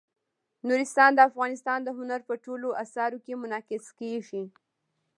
نورستان د افغانستان د هنر په ټولو اثارو کې منعکس کېږي.